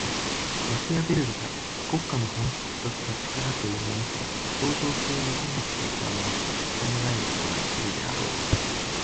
マキアヴェルリが国家の本質とした「力」というものすら、創造性を意味していたものと考えることができるであろう。